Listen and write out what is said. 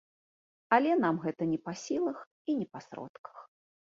Але нам гэта не па сілах і не па сродках.